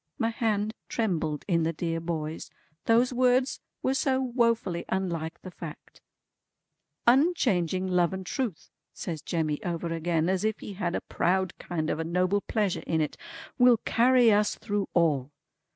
'" My hand trembled in the dear boy's, those words were so wofully unlike the fact. "Unchanging Love and Truth" says Jemmy over again, as if he had a proud kind of a noble pleasure in it, "will carry us through all!